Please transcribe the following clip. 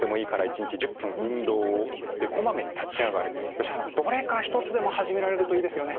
吉田さんどれか一つでも始められるといいですよね。